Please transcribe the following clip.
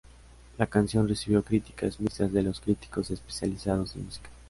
La canción recibió críticas mixtas de los críticos especializados en música.